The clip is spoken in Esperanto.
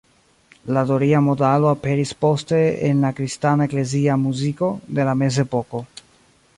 La doria modalo aperis poste en la kristana eklezia muziko de la mezepoko.